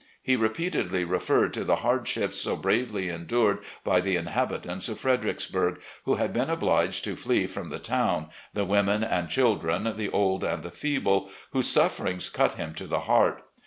He repeatedly referred to the hardships so bravely endured by the inhabitants of Fredericksb\u:g, who had been obliged to flee from the town, the women and children, the old and the feeble, whose sufferings cut him to the heart.